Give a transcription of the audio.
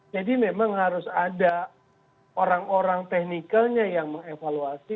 jadi memang harus ada orang orang technicalnya yang mengevaluasi